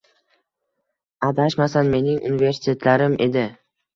Adashmasam, Mening universitetlarim edi